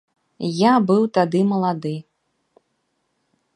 Я быў тады малады.